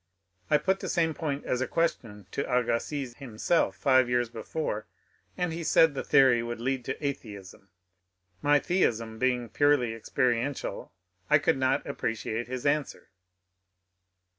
I put the same point as a question to Agassiz himself five years before and he said the theory would lead to atheism. My theism being purely experiential, I could not appreciate his answer.